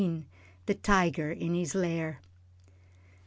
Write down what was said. THE TIGER IN HIS LAIR.